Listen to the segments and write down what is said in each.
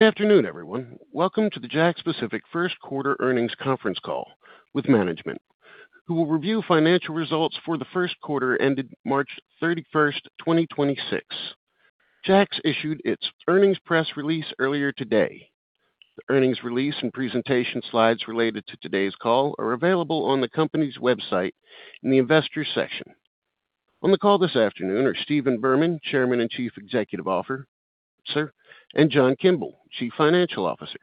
Good afternoon, everyone. Welcome to the JAKKS Pacific First Quarter Earnings Conference Call with management, who will review financial results for the first quarter ended March 31st, 2026. JAKKS issued its earnings press release earlier today. The earnings release and presentation slides related to today's call are available on the company's website in the Investors section. On the call this afternoon are Stephen Berman, Chairman and Chief Executive Officer, and John Kimble, Chief Financial Officer.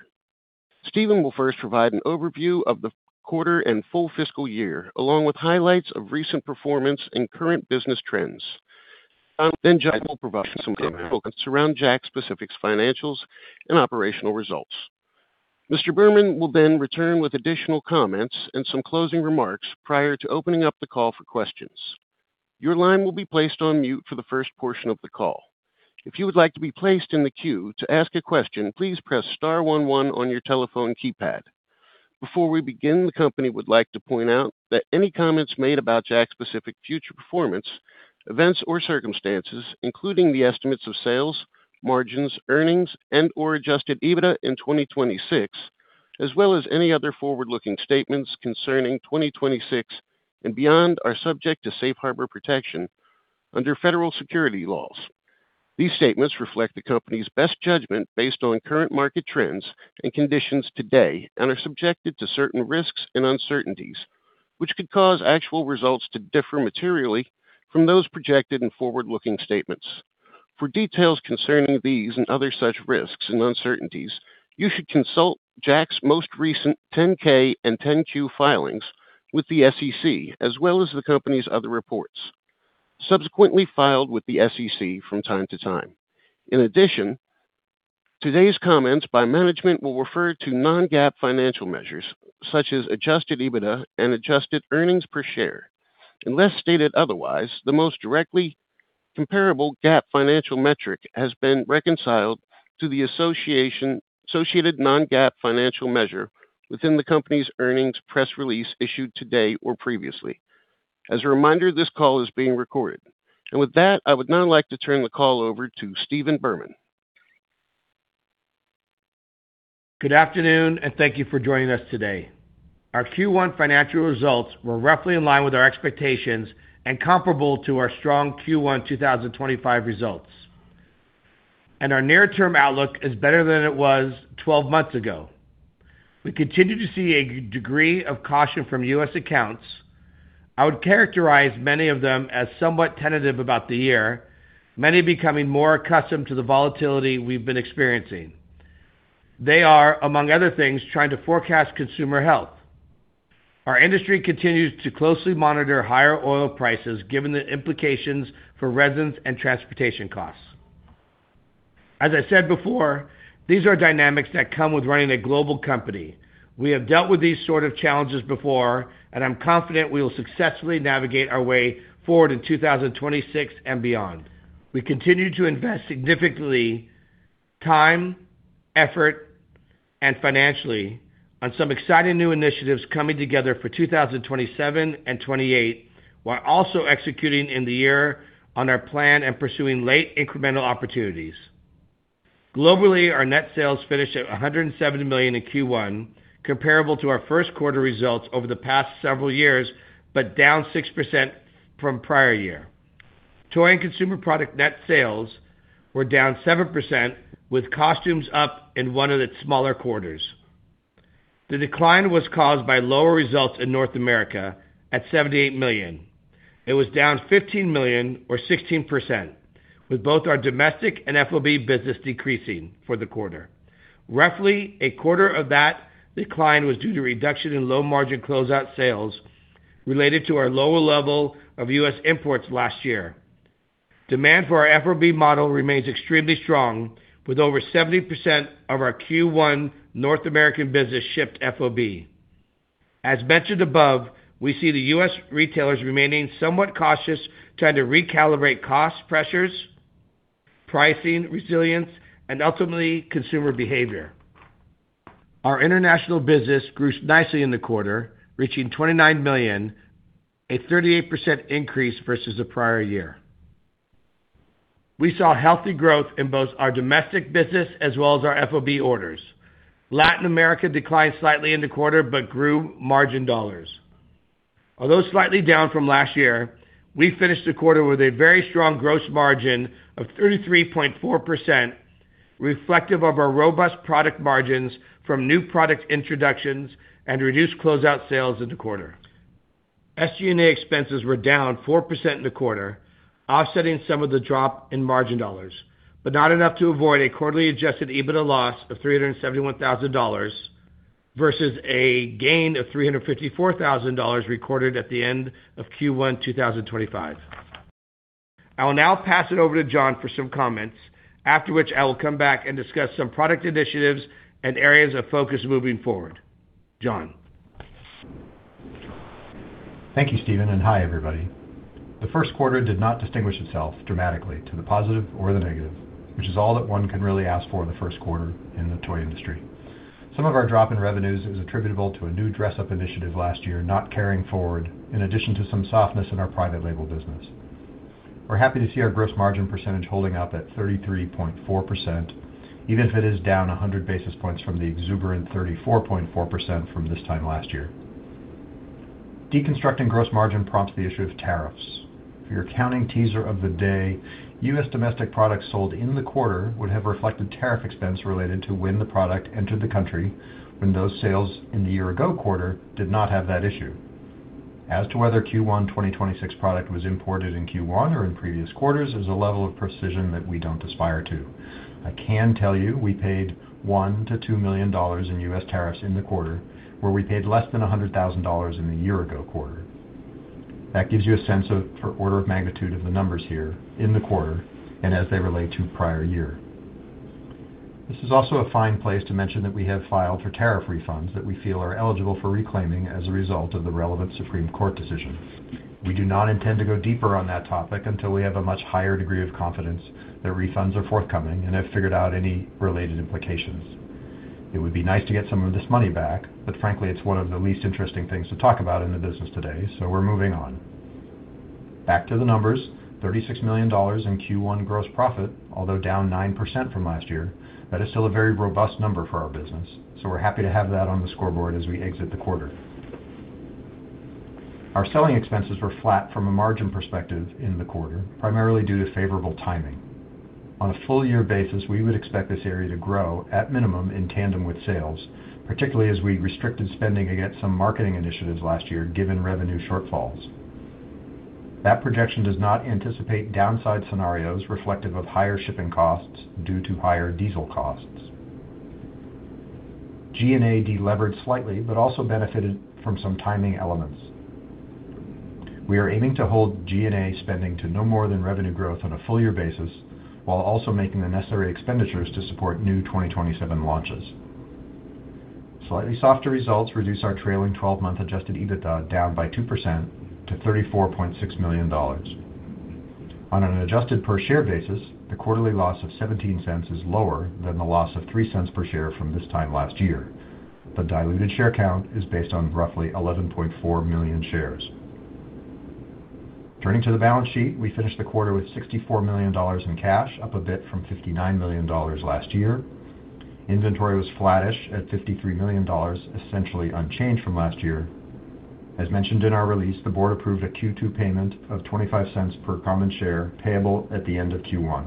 Stephen will first provide an overview of the quarter and full fiscal year, along with highlights of recent performance and current business trends. John will provide some financial comments around JAKKS Pacific's financials and operational results. Mr. Berman will then return with additional comments and some closing remarks prior to opening up the call for questions. Your line will be placed on mute for the first portion of the call. If you like to be placed in the queue to ask question please press star one one on your telephone keypad. Before we begin, the company would like to point out that any comments made about JAKKS Pacific future performance, events or circumstances, including the estimates of sales, margins, earnings and/or adjusted EBITDA in 2026, as well as any other forward-looking statements concerning 2026 and beyond, are subject to Safe Harbor protection under federal securities laws. These statements reflect the company's best judgment based on current market trends and conditions today and are subjected to certain risks and uncertainties, which could cause actual results to differ materially from those projected in forward-looking statements. For details concerning these and other such risks and uncertainties, you should consult JAKKS' most recent 10-K and 10-Q filings with the SEC, as well as the company's other reports subsequently filed with the SEC from time to time. In addition, today's comments by management will refer to non-GAAP financial measures such as adjusted EBITDA and adjusted earnings per share. Unless stated otherwise, the most directly comparable GAAP financial metric has been reconciled to the associated non-GAAP financial measure within the company's earnings press release issued today or previously. As a reminder, this call is being recorded. With that, I would now like to turn the call over to Stephen Berman. Good afternoon, and thank you for joining us today. Our Q1 financial results were roughly in line with our expectations and comparable to our strong Q1 2025 results. Our near-term outlook is better than it was 12 months ago. We continue to see a degree of caution from U.S. accounts. I would characterize many of them as somewhat tentative about the year, many becoming more accustomed to the volatility we've been experiencing. They are, among other things, trying to forecast consumer health. Our industry continues to closely monitor higher oil prices given the implications for resins and transportation costs. As I said before, these are dynamics that come with running a global company. We have dealt with these sort of challenges before, and I'm confident we will successfully navigate our way forward in 2026 and beyond. We continue to invest significantly time, effort, and financially on some exciting new initiatives coming together for 2027 and 2028, while also executing in the year on our plan and pursuing late incremental opportunities. Globally, our net sales finished at $170 million in Q1, comparable to our first quarter results over the past several years. Down 6% from prior year. Toy and consumer product net sales were down 7%, with costumes up in one of its smaller quarters. The decline was caused by lower results in North America at $78 million. It was down $15 million or 16%, with both our domestic and FOB business decreasing for the quarter. Roughly a quarter of that decline was due to reduction in low-margin closeout sales related to our lower level of U.S. imports last year. Demand for our FOB model remains extremely strong, with over 70% of our Q1 North American business shipped FOB. As mentioned above, we see the U.S. retailers remaining somewhat cautious, trying to recalibrate cost pressures, pricing resilience, and ultimately consumer behavior. Our international business grew nicely in the quarter, reaching $29 million, a 38% increase versus the prior year. We saw healthy growth in both our domestic business as well as our FOB orders. Latin America declined slightly in the quarter but grew margin dollars. Although slightly down from last year, we finished the quarter with a very strong gross margin of 33.4%, reflective of our robust product margins from new product introductions and reduced closeout sales in the quarter. SG&A expenses were down 4% in the quarter, offsetting some of the drop in margin dollars, but not enough to avoid a quarterly adjusted EBITDA loss of $371,000 versus a gain of $354,000 recorded at the end of Q1 2025. I will now pass it over to John for some comments, after which I will come back and discuss some product initiatives and areas of focus moving forward. John. Thank you, Stephen, and hi, everybody. The first quarter did not distinguish itself dramatically to the positive or the negative, which is all that one can really ask for in the first quarter in the toy industry. Some of our drop in revenues is attributable to a new dress up initiative last year not carrying forward in addition to some softness in our private label business. We're happy to see our gross margin percentage holding up at 33.4%, even if it is down 100 basis points from the exuberant 34.4% from this time last year. Deconstructing gross margin prompts the issue of tariffs. For your accounting teaser of the day, U.S. domestic products sold in the quarter would have reflected tariff expense related to when the product entered the country when those sales in the year-ago quarter did not have that issue. As to whether Q1 2026 product was imported in Q1 or in previous quarters is a level of precision that we don't aspire to. I can tell you we paid $1 million-$2 million in U.S. tariffs in the quarter, where we paid less than $100,000 in the year ago quarter. That gives you a sense of for order of magnitude of the numbers here in the quarter and as they relate to prior year. This is also a fine place to mention that we have filed for tariff refunds that we feel are eligible for reclaiming as a result of the relevant Supreme Court decision. We do not intend to go deeper on that topic until we have a much higher degree of confidence that refunds are forthcoming and have figured out any related implications. It would be nice to get some of this money back, frankly, it's one of the least interesting things to talk about in the business today, we're moving on. Back to the numbers, $36 million in Q1 gross profit, although down 9% from last year. That is still a very robust number for our business, we're happy to have that on the scoreboard as we exit the quarter. Our selling expenses were flat from a margin perspective in the quarter, primarily due to favorable timing. On a full year basis, we would expect this area to grow at minimum in tandem with sales, particularly as we restricted spending against some marketing initiatives last year given revenue shortfalls. That projection does not anticipate downside scenarios reflective of higher shipping costs due to higher diesel costs. G&A delevered slightly, also benefited from some timing elements. We are aiming to hold G&A spending to no more than revenue growth on a full year basis while also making the necessary expenditures to support new 2027 launches. Slightly softer results reduce our trailing 12 month adjusted EBITDA down by 2% to $34.6 million. On an adjusted per share basis, the quarterly loss of $0.17 is lower than the loss of $0.03 per share from this time last year. The diluted share count is based on roughly 11.4 million shares. Turning to the balance sheet, we finished the quarter with $64 million in cash, up a bit from $59 million last year. Inventory was flattish at $53 million, essentially unchanged from last year. As mentioned in our release, the board approved a Q2 payment of $0.25 per common share payable at the end of Q1.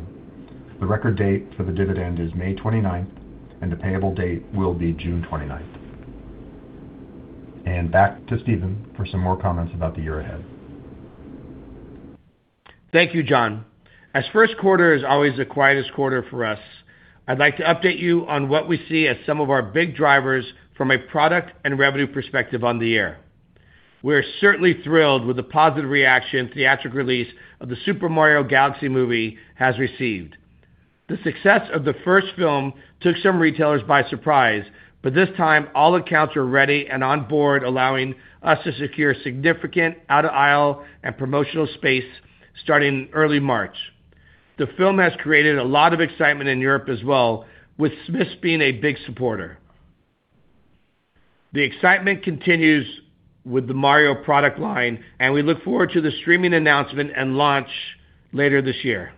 The record date for the dividend is May 29th, and the payable date will be June 29th. Back to Stephen for some more comments about the year ahead. Thank you, John. As first quarter is always the quietest quarter for us, I'd like to update you on what we see as some of our big drivers from a product and revenue perspective on the year. We are certainly thrilled with the positive reaction theatrical release of The Super Mario Galaxy Movie has received. The success of the first film took some retailers by surprise, but this time all accounts are ready and on board, allowing us to secure significant out-of-aisle and promotional space starting early March. The film has created a lot of excitement in Europe as well, with Smyths being a big supporter. The excitement continues with the Mario product line, and we look forward to the streaming announcement and launch later this year.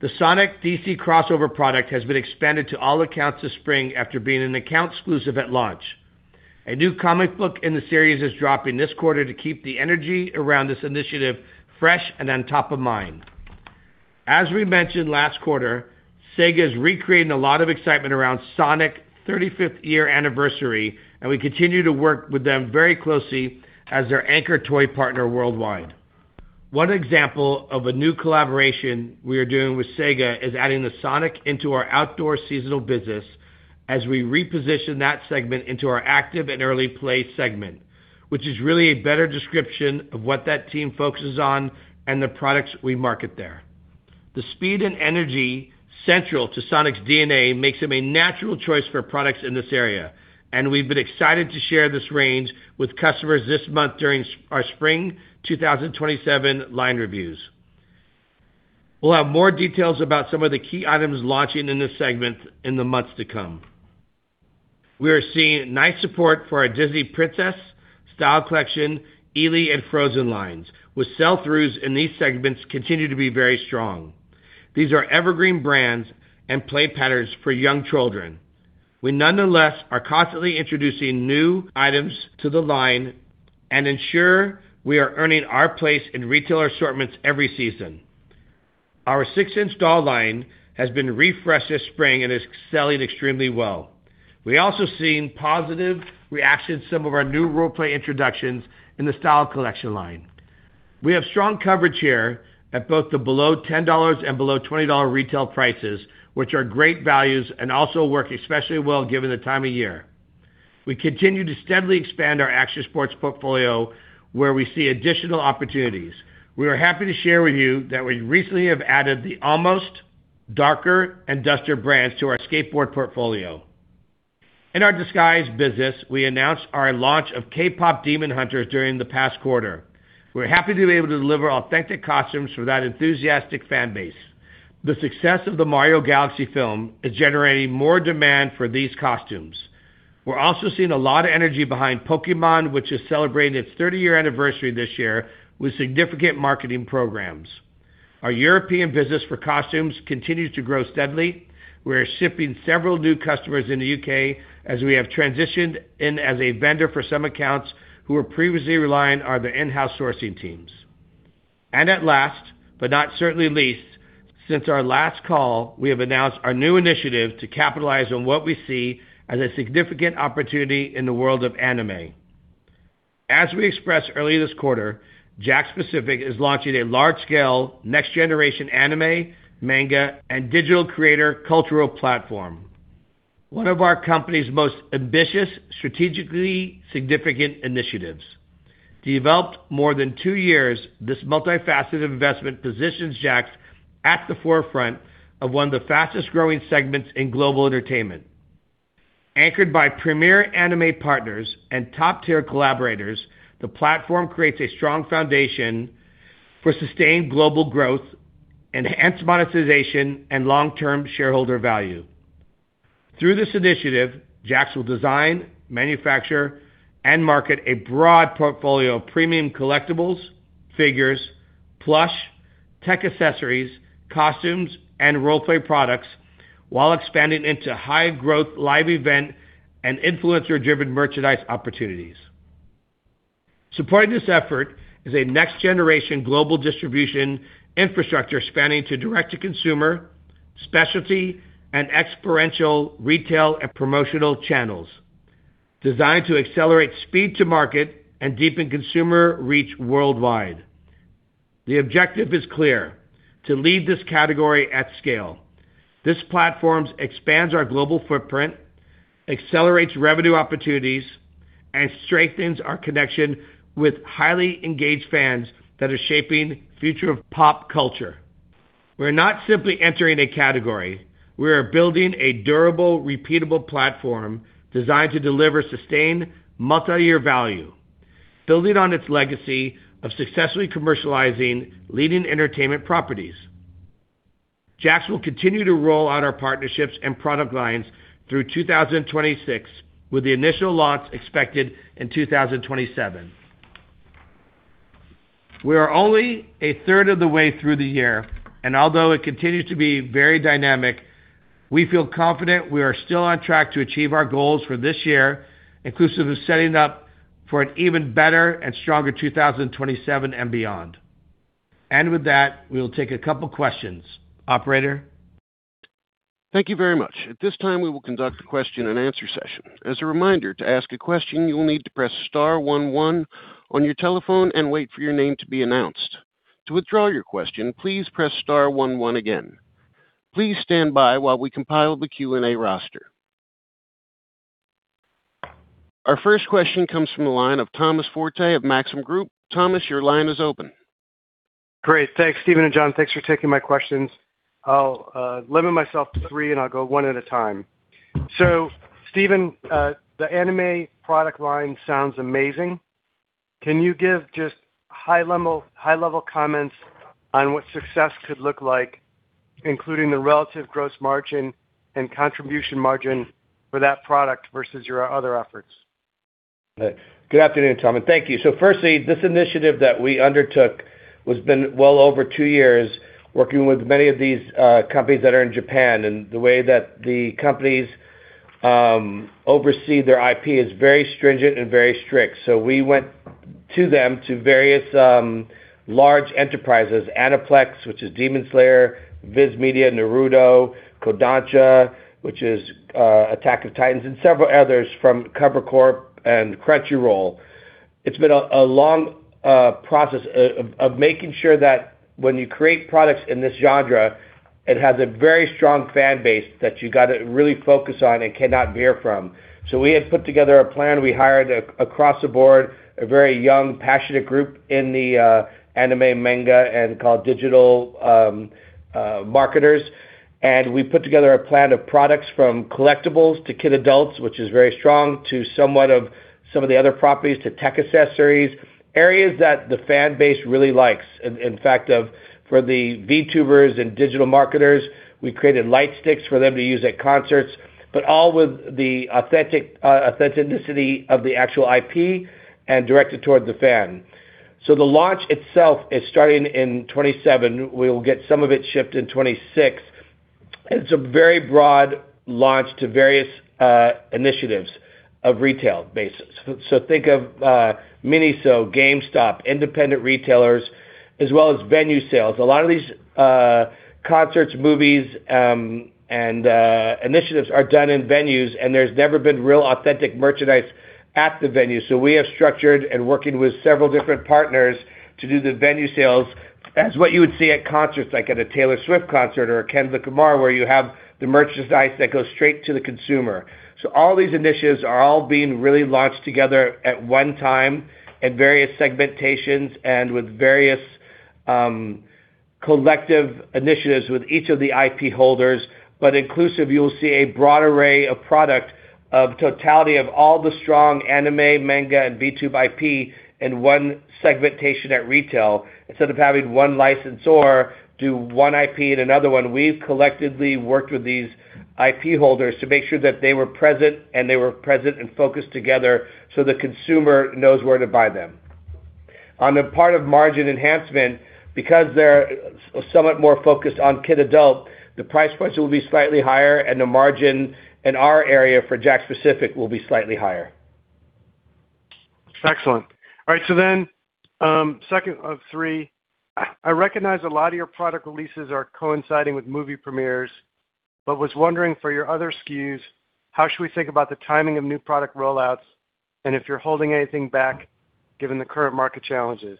The Sonic x DC. crossover product has been expanded to all accounts this spring after being an account exclusive at launch. A new comic book in the series is dropping this quarter to keep the energy around this initiative fresh and on top of mind. As we mentioned last quarter, Sega is recreating a lot of excitement around Sonic 35th year anniversary, and we continue to work with them very closely as their anchor toy partner worldwide. One example of a new collaboration we are doing with Sega is adding the Sonic into our outdoor seasonal business as we reposition that segment into our active and early play segment, which is really a better description of what that team focuses on and the products we market there. The speed and energy central to Sonic's DNA makes him a natural choice for products in this area, and we've been excited to share this range with customers this month during our spring 2027 line reviews. We'll have more details about some of the key items launching in this segment in the months to come. We are seeing nice support for our Disney Princess, Style Collection, Eevee, and Frozen lines, with sell-throughs in these segments continue to be very strong. These are evergreen brands and play patterns for young children. We nonetheless are constantly introducing new items to the line and ensure we are earning our place in retailer assortments every season. Our 6 in doll line has been refreshed this spring and is selling extremely well. We also seen positive reactions to some of our new role play introductions in the Style Collection line. We have strong coverage here at both the below $10 and below $20 retail prices, which are great values and also work especially well given the time of year. We continue to steadily expand our action sports portfolio where we see additional opportunities. We are happy to share with you that we recently have added the Almost, Darkstar, and Dusters brands to our skateboard portfolio. In our Disguise business, we announced our launch of K-Pop Demon Hunters during the past quarter. We're happy to be able to deliver authentic costumes for that enthusiastic fan base. The success of The Super Mario Galaxy film is generating more demand for these costumes. We're also seeing a lot of energy behind Pokémon, which is celebrating its 30 year anniversary this year with significant marketing programs. Our European business for costumes continues to grow steadily. We are shipping several new customers in the U.K. as we have transitioned in as a vendor for some accounts who were previously reliant on the in-house sourcing teams. And at last, but not certainly least, since our last call, we have announced our new initiative to capitalize on what we see as a significant opportunity in the world of anime. As we expressed earlier this quarter, JAKKS Pacific is launching a large-scale, next-generation anime, manga, and digital creator cultural platform, one of our company's most ambitious, strategically significant initiatives. Developed more than two years, this multifaceted investment positions JAKKS at the forefront of one of the fastest-growing segments in global entertainment. Anchored by premier anime partners and top-tier collaborators, the platform creates a strong foundation for sustained global growth, enhanced monetization, and long-term shareholder value. Through this initiative, JAKKS will design, manufacture, and market a broad portfolio of premium collectibles, figures, plush, tech accessories, costumes, and role-play products while expanding into high-growth live event and influencer-driven merchandise opportunities. Supporting this effort is a next-generation global distribution infrastructure spanning to direct-to-consumer, specialty, and experiential retail and promotional channels designed to accelerate speed to market and deepen consumer reach worldwide. The objective is clear: to lead this category at scale. This platform expands our global footprint, accelerates revenue opportunities, and strengthens our connection with highly engaged fans that are shaping the future of pop culture. We're not simply entering a category. We are building a durable, repeatable platform designed to deliver sustained multi-year value, building on its legacy of successfully commercializing leading entertainment properties. JAKKS will continue to roll out our partnerships and product lines through 2026, with the initial launch expected in 2027. We are only a third of the way through the year, and although it continues to be very dynamic, we feel confident we are still on track to achieve our goals for this year, inclusive of setting up for an even better and stronger 2027 and beyond. With that, we will take a couple questions. Operator? Thank you very much. At this time, we will conduct a question-and-answer session. As reminder, to ask a question you need to press star one one on your telephone and wait for your name to be announced. To withdraw your question please press star one one again. Please stand by while we compile the Q and A roster. Our first question comes from the line of Thomas Forte of Maxim Group. Thomas, your line is open. Great. Thanks, Stephen and John. Thanks for taking my questions. I'll limit myself to three. I'll go one at a time. Stephen, the anime product line sounds amazing. Can you give just high-level, high-level comments on what success could look like, including the relative gross margin and contribution margin for that product versus your other efforts? Good afternoon, Tom, and thank you. Firstly, this initiative that we undertook has been well over two years working with many of these companies that are in Japan. The way that the companies oversee their IP is very stringent and very strict. We went to them to various large enterprises, Aniplex, which is Demon Slayer, VIZ Media, Naruto, Kodansha, which is Attack on Titan, and several others from Cover Corp and Crunchyroll. It's been a long process of making sure that when you create products in this genre, it has a very strong fan base that you gotta really focus on and cannot veer from. We have put together a plan. We hired across the board a very young, passionate group in the anime, manga, and called digital marketers. We put together a plan of products from collectibles to kid adults, which is very strong, to somewhat of some of the other properties, to tech accessories, areas that the fan base really likes. In fact, for the VTubers and digital marketers, we created light sticks for them to use at concerts, but all with the authentic authenticity of the actual IP and directed toward the fan. The launch itself is starting in 2027. We will get some of it shipped in 2026. It's a very broad launch to various initiatives of retail bases. Think of Miniso, GameStop, independent retailers, as well as venue sales. A lot of these concerts, movies, and initiatives are done in venues, and there's never been real authentic merchandise at the venue. We have structured and working with several different partners to do the venue sales as what you would see at concerts, like at a Taylor Swift concert or a Kendrick Lamar, where you have the merchandise that goes straight to the consumer. All these initiatives are all being really launched together at one time at various segmentations and with various, collective initiatives with each of the IP holders. Inclusive, you'll see a broad array of product of totality of all the strong anime, manga, and VTube IP in one segmentation at retail. Instead of having one licensor do one IP in another one, we've collectively worked with these IP holders to make sure that they were present, and they were present and focused together so the consumer knows where to buy them. On the part of margin enhancement, because they're somewhat more focused on kid/adult, the price points will be slightly higher and the margin in our area for JAKKS Pacific will be slightly higher. Excellent. All right. Second of three. I recognize a lot of your product releases are coinciding with movie premieres, but was wondering for your other SKUs, how should we think about the timing of new product rollouts and if you're holding anything back given the current market challenges?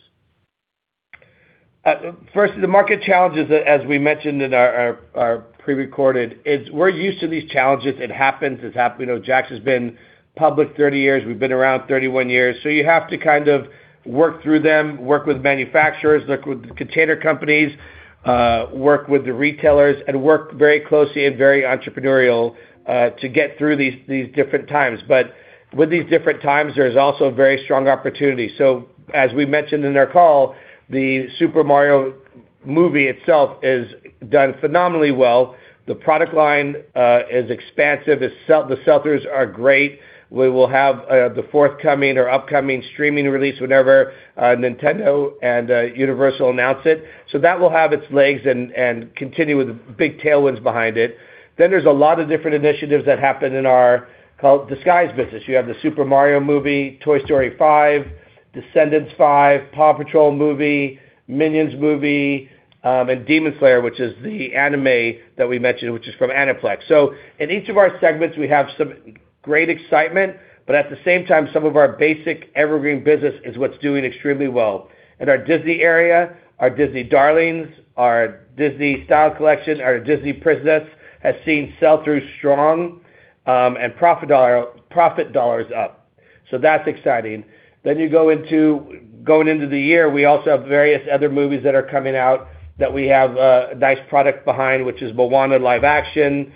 First, the market challenges, as we mentioned in our prerecorded, is we're used to these challenges. It happens. You know, JAKKS has been public 30 years. We've been around 31 years, you have to kind of work through them, work with manufacturers, work with container companies, work with the retailers and work very closely and very entrepreneurial to get through these different times. With these different times, there's also very strong opportunities. As we mentioned in our call, the Super Mario movie itself is done phenomenally well. The product line is expansive. The sell-throughs are great. We will have the forthcoming or upcoming streaming release whenever Nintendo and Universal announce it. That will have its legs and continue with big tailwinds behind it. There's a lot of different initiatives that happen in our called Disguise business. You have the Super Mario movie, Toy Story 5, Descendants 5, PAW Patrol movie, Minions movie, and Demon Slayer, which is the anime that we mentioned, which is from Aniplex. In each of our segments, we have some great excitement, but at the same time, some of our basic evergreen business is what's doing extremely well. In our Disney area, our Disney Darlings, our Disney Style Collection, our Disney Princess has seen sell-through strong, and profit dollars up. That's exciting. Going into the year, we also have various other movies that are coming out that we have a nice product behind, which is Moana live action,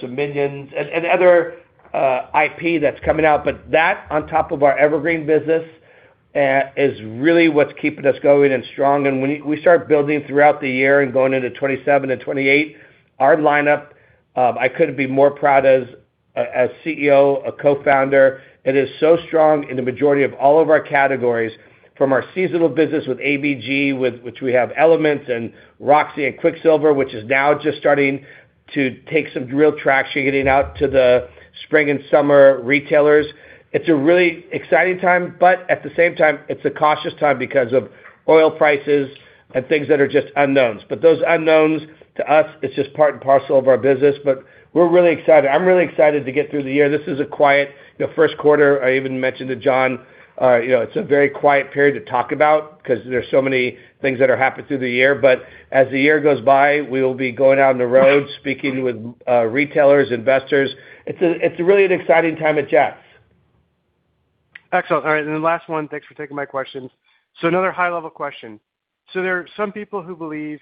some Minions and other IP that's coming out. That on top of our evergreen business is really what's keeping us going and strong. When we start building throughout the year and going into 2027 and 2028, our lineup, I couldn't be more proud as a CEO, a co-founder. It is so strong in the majority of all of our categories, from our seasonal business with ABG, with which we have Element and Roxy and Quiksilver, which is now just starting to take some real traction, getting out to the spring and summer retailers. It's a really exciting time, but at the same time, it's a cautious time because of oil prices and things that are just unknowns. Those unknowns, to us, it's just part and parcel of our business. We're really excited. I'm really excited to get through the year. This is a quiet, you know, first quarter. I even mentioned to John Kimble, you know, it's a very quiet period to talk about 'cause there's so many things that are happening through the year. As the year goes by, we will be going out on the road, speaking with retailers, investors. It's really an exciting time at JAKKS. Excellent. All right. Last one. Thanks for taking my questions. Another high-level question. There are some people who believe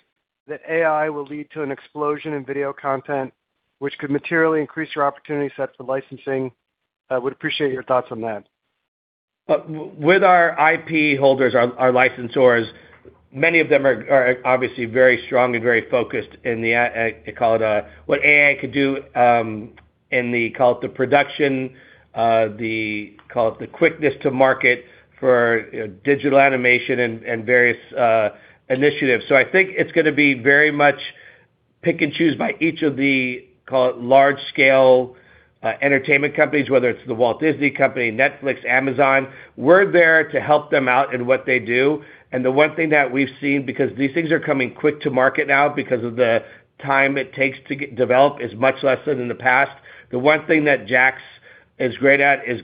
that AI will lead to an explosion in video content, which could materially increase your opportunity set for licensing. I would appreciate your thoughts on that. With our IP holders, our licensors, many of them are obviously very strong and very focused in what AI could do in the production, the quickness to market for digital animation and various initiatives. I think it's going to be very much pick and choose by each of the large scale entertainment companies, whether it's The Walt Disney Company, Netflix, Amazon. We're there to help them out in what they do. The one thing that we've seen, because these things are coming quick to market now because of the time it takes to get developed is much less than in the past. The one thing that JAKKS is great at is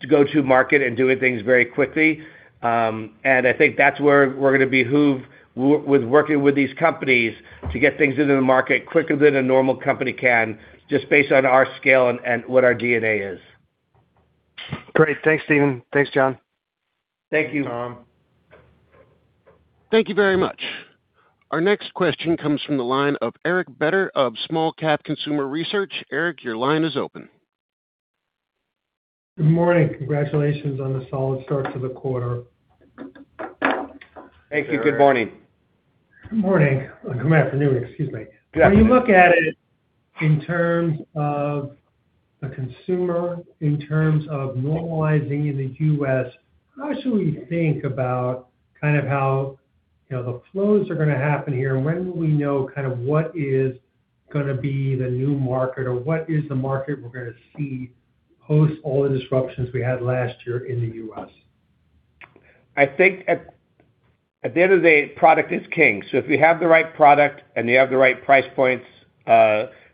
to go to market and doing things very quickly. I think that's where we're gonna behoove with working with these companies to get things into the market quicker than a normal company can, just based on our scale and what our DNA is. Great. Thanks, Stephen. Thanks, John. Thank you, Tom. Thank you very much. Our next question comes from the line of Eric Beder of Small Cap Consumer Research. Eric, your line is open. Good morning. Congratulations on the solid start to the quarter. Thank you. Good morning. Good morning. Good afternoon, excuse me. Yeah. When you look at it in terms of the consumer, in terms of normalizing in the U.S., how should we think about kind of how, you know, the flows are gonna happen here? When will we know kind of what is gonna be the new market or what is the market we're gonna see post all the disruptions we had last year in the U.S.? I think at the end of the day, product is king. If you have the right product and you have the right price points,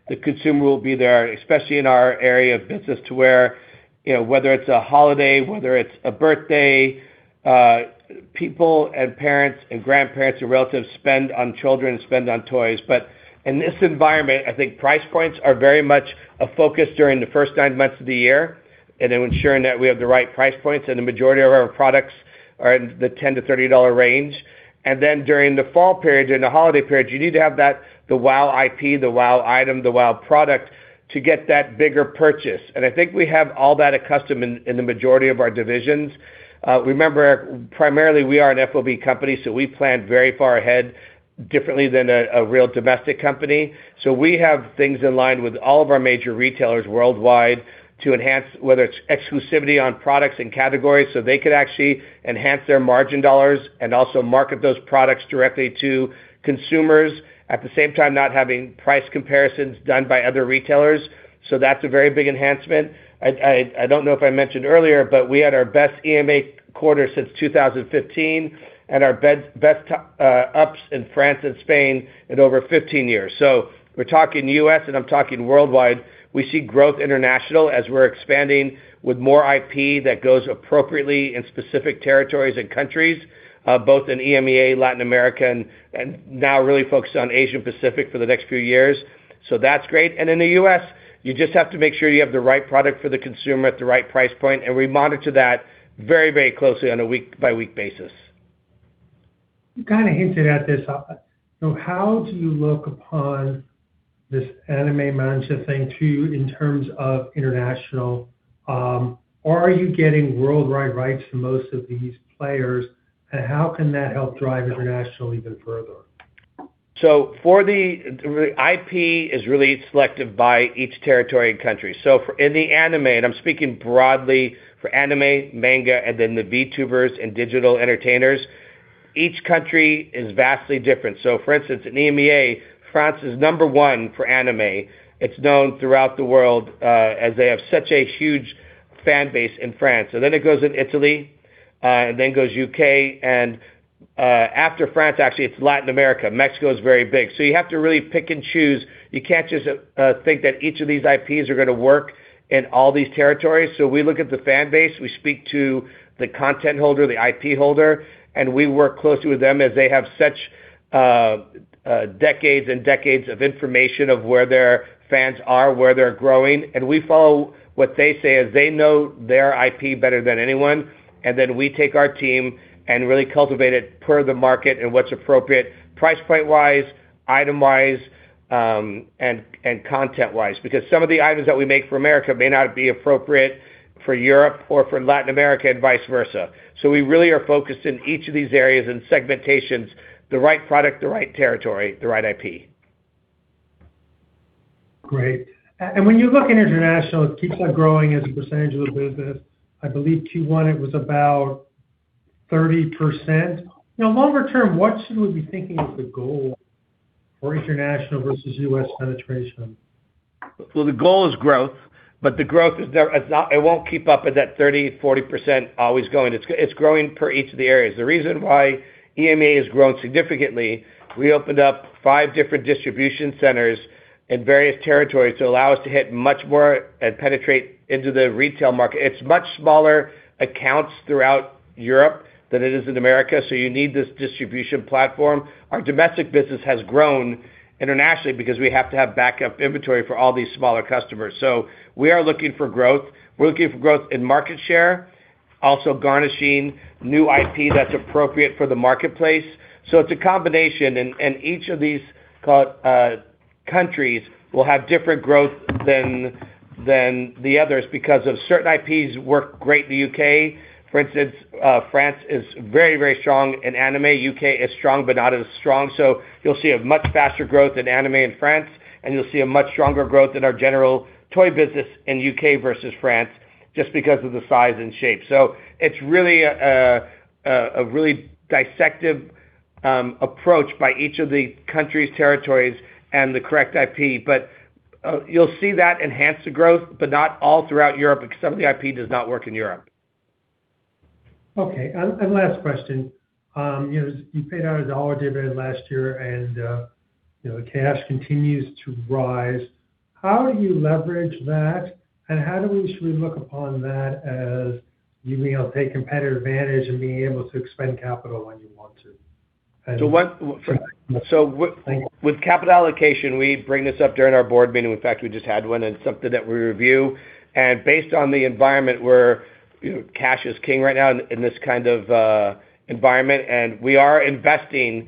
the consumer will be there, especially in our area of business to where, you know, whether it's a holiday, whether it's a birthday, people and parents and grandparents or relatives spend on children, spend on toys. In this environment, I think price points are very much a focus during the first nine months of the year. And ensuring that we have the right price points, the majority of our products are in the $10-$30 range. During the fall period and the holiday period, you need to have that, the wow IP, the wow item, the wow product to get that bigger purchase. I think we have all that accustomed in the majority of our divisions. Remember, primarily we are an FOB company, so we plan very far ahead differently than a real domestic company. We have things in line with all of our major retailers worldwide to enhance whether it's exclusivity on products and categories, so they could actually enhance their margin dollars and also market those products directly to consumers. At the same time, not having price comparisons done by other retailers. That's a very big enhancement. I don't know if I mentioned earlier, but we had our best EMEA quarter since 2015 and our best ups in France and Spain in over 15 years. We're talking U.S., and I'm talking worldwide. We see growth international as we're expanding with more IP that goes appropriately in specific territories and countries, both in EMEA, Latin America, and now really focused on Asia Pacific for the next few years. That's great. In the U.S., you just have to make sure you have the right product for the consumer at the right price point, and we monitor that very, very closely on a week by week basis. You kinda hinted at this. How do you look upon this anime management thing too, in terms of international? Are you getting worldwide rights to most of these players, and how can that help drive international even further? IP is really selected by each territory and country. In the anime, and I'm speaking broadly for anime, manga, and then the VTubers and digital entertainers, each country is vastly different. For instance, in EMEA, France is number one for anime. It's known throughout the world, as they have such a huge fan base in France. Then it goes in Italy, then goes U.K. After France, actually, it's Latin America. Mexico is very big. You have to really pick and choose. You can't just think that each of these IPs are gonna work in all these territories. We look at the fan base, we speak to the content holder, the IP holder, and we work closely with them as they have such decades and decades of information of where their fans are, where they're growing. We follow what they say, as they know their IP better than anyone. Then we take our team and really cultivate it per the market and what's appropriate price point-wise, item-wise, and content-wise. Some of the items that we make for America may not be appropriate for Europe or for Latin America and vice versa. We really are focused in each of these areas and segmentations, the right product, the right territory, the right IP. Great. When you look at international, it keeps on growing as a percentage of the business. I believe Q1, it was about 30%. Now longer term, what should we be thinking is the goal for international versus U.S. penetration? The goal is growth, but the growth won't keep up at that 30%, 40% always going. It's growing per each of the areas. The reason why EMEA has grown significantly, we opened up five different distribution centers in various territories to allow us to hit much more and penetrate into the retail market. It's much smaller accounts throughout Europe than it is in America, you need this distribution platform. Our domestic business has grown internationally because we have to have backup inventory for all these smaller customers. We are looking for growth. We're looking for growth in market share, also garnishing new IP that's appropriate for the marketplace. It's a combination and each of these countries will have different growth than the others because of certain IPs work great in the U.K. For instance, France is very, very strong in anime. U.K. is strong but not as strong. You'll see a much faster growth in anime in France, and you'll see a much stronger growth in our general toy business in U.K. versus France just because of the size and shape. It's really a really dissective approach by each of the countries, territories and the correct IP. You'll see that enhance the growth, but not all throughout Europe because some of the IP does not work in Europe. Okay, last question. You know, you paid out a $1 dividend last year and you know, the cash continues to rise. How do you leverage that, and how should we look upon that as you being able to take competitive advantage and being able to expend capital when you want to? So what... Thank you. With capital allocation, we bring this up during our board meeting. In fact, we just had one and something that we review. Based on the environment where, you know, cash is king right now in this kind of environment, and we are investing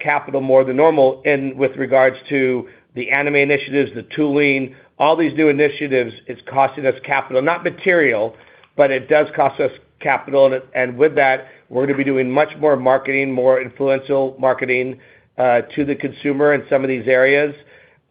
capital more than normal in with regards to the anime initiatives, the tooling. All these new initiatives, it's costing us capital. Not material, but it does cost us capital and with that, we're gonna be doing much more marketing, more influential marketing to the consumer in some of these areas.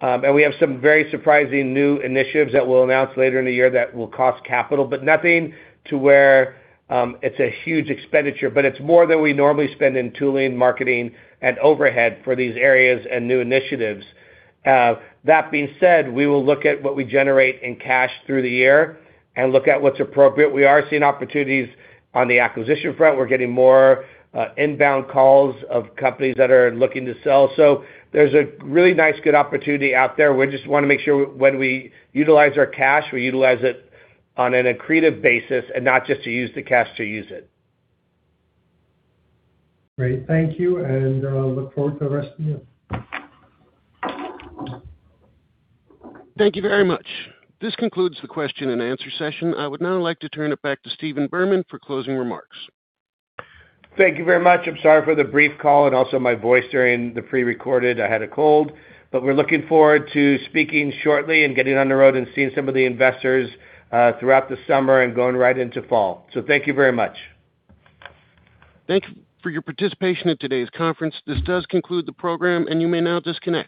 We have some very surprising new initiatives that we'll announce later in the year that will cost capital, but nothing to where it's a huge expenditure. It's more than we normally spend in tooling, marketing, and overhead for these areas and new initiatives. That being said, we will look at what we generate in cash through the year and look at what's appropriate. We are seeing opportunities on the acquisition front. We're getting more inbound calls of companies that are looking to sell. There's a really nice, good opportunity out there. We just wanna make sure when we utilize our cash, we utilize it on an accretive basis and not just to use the cash to use it. Great. Thank you, and I'll look forward to the rest of the year. Thank you very much. This concludes the question and answer session. I would now like to turn it back to Stephen Berman for closing remarks. Thank you very much. I'm sorry for the brief call and also my voice during the prerecorded. I had a cold, but we're looking forward to speaking shortly and getting on the road and seeing some of the investors throughout the summer and going right into fall. Thank you very much. Thank for your participation in today's conference. This does conclude the program, and you may now disconnect.